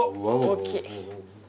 大きい。